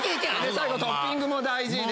最後トッピングも大事で。